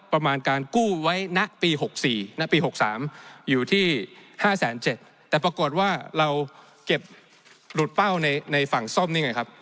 เราเก็บหลุดเป้าในฝั่งซ่อมนี้ไงครับ